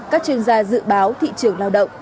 các chuyên gia dự báo thị trường lao động